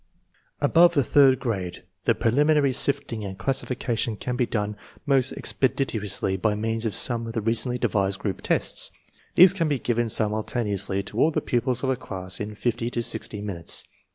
Above the third grade the prelimi nary sifting and classification can be done most expe ditiously by means of some of the recently devised group tests. These can be given simultaneously to all the pupils of a class in fifty to sixty minutes.